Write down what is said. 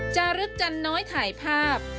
จารึกจันน้อยถ่ายภาพ